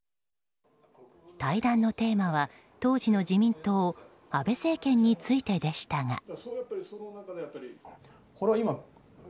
対談のテーマは当時の自民党安倍政権についてでしたが。